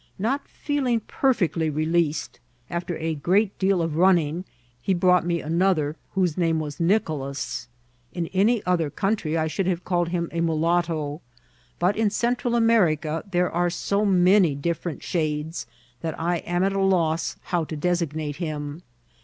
Not feeling perfectly released, after a great deal of run ning he brought me another, whose name was Nicolas. In any other country I should have called him a mulat to ; but in Central America there are so many different shades that I am at a loss how to designate him.